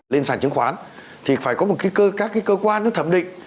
lên sản chứng khoán thì phải có một cái cơ các cái cơ quan nó thẩm định